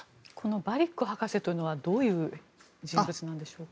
バリック博士はどういう人物なんでしょうか。